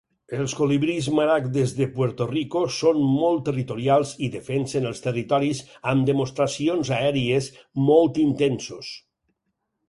Els colibrís maragdes de Puerto Rico són molt territorials i defensen els territoris amb demostracions aèries molt intensos.